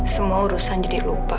semua urusan jadi lupa